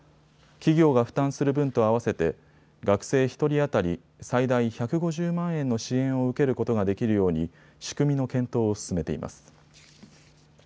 企業が負担する分と合わせて学生１人当たり最大１５０万円の支援を受けることができるように仕組みの検討を進めています。